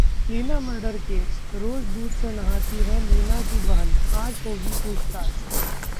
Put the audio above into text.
Leena murder case रोज़ दूध से नहाती है लीना की बहन, आज होगी पूछताछ